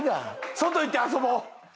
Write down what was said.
外行って遊ぼ！！